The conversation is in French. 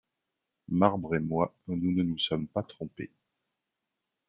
Marbre et moi, nous ne nous sommes pas trompés.